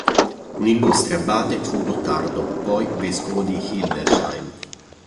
Un illustre abate fu Gottardo, poi vescovo di Hildesheim.